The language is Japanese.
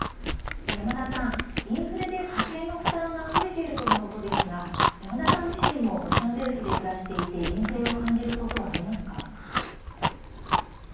山田さん、インフレで家計の負担が増えているとのことですが山田さん自身もロサンゼルスで暮らしていてインフレを感じることはありますか？